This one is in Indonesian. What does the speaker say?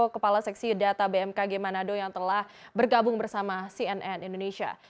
kepala seksi data bmkg manado yang telah bergabung bersama cnn indonesia